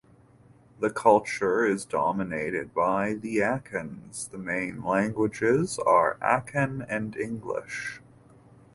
The culture is dominated by the Akans; the main languages are Akan and English.